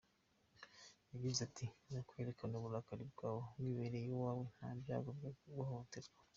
Yagize ati: “Ni ukwerekana uburakari bwawe wibereye iwawe, nta byago byo guhohoterwa”.